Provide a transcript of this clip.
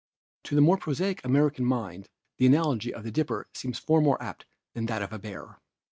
To the more prosaic American mind the analogy of the dipper seems far more apt than that of a bear.